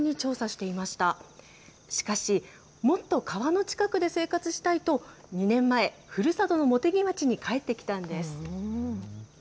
しかし、もっと川の近くで生活したいと、２年前、ふるさとの茂木町に帰ってきたんです。